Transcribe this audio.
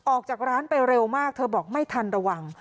ออกจากร้านไปเร็วมากเธอบอกไม่ทันระวัง